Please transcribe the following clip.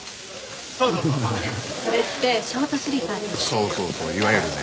そうそうそういわゆるね。